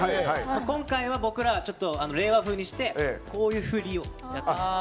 今回は僕らちょっと令和風にしてこういう振りをやってます。